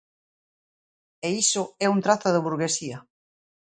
E iso é un trazo da burguesía.